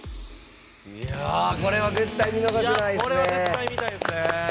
これは絶対見逃せないですね。